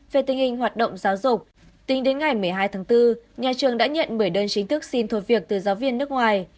về tình hình hoạt động giáo dục tính đến ngày một mươi hai tháng bốn nhà trường đã nhận bảy đơn chính thức xin thôi việc từ giáo viên nước ngoài